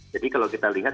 jadi kalau kita lihat